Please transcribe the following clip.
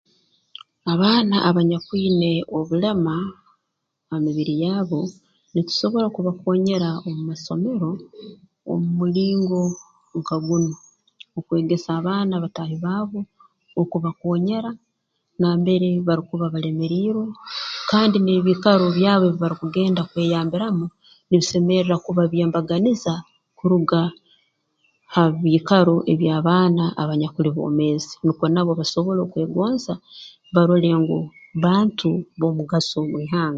Abaana abanyakwina obulema ha mibiri yabo nitusobora kubakoonyera omu masomero omu mulingo nka gunu okwegesa abaana bataahi baabo okubakoonyera nambere barukuba balemerirwe kandi n'ebiikaro byabo ebi barukugenda kweyambiramu nibisemerra kuba by'embaganiza kuruga ha biikaro eby'abaana abanyakuli boomeezi nukwo nabo basobole kwegonza barole ngu bantu b'omugaso mu ihanga